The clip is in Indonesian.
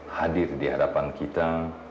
hadir di hadapan kita